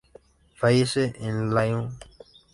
Fallece en Lyon.